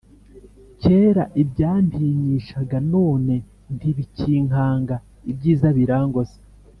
Kera ibyantinyishaga none ntibicyinkanga ibyiza birangose